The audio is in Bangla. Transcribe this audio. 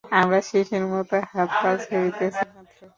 আমরা শিশুর মত হাত-পা ছুঁড়িতেছি মাত্র।